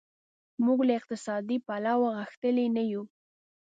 موږ له اقتصادي پلوه غښتلي نه یو.